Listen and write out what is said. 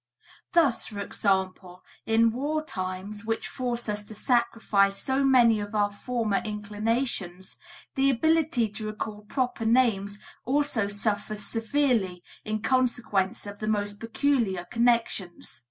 Thus, for example, in war times which force us to sacrifice so many of our former inclinations, the ability to recall proper names also suffers severely in consequence of the most peculiar connections.